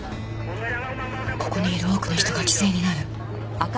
ここにいる多くの人が犠牲になる